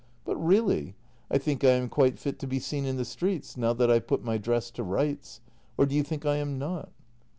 ] But really, I think I am quite fit to be seen in the streets— now that I've put my dress to rights. Or do you think I am not